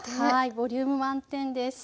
ボリューム満点です。